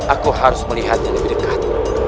aku harus melihat yang lebih dekat